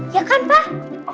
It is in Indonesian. iya kan pak